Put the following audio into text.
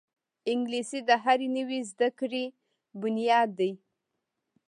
انګلیسي د هرې نوې زده کړې بنیاد ده